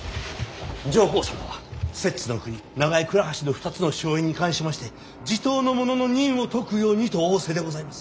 上皇様は摂津国長江倉橋の２つの荘園に関しまして地頭の者の任を解くようにと仰せでございます。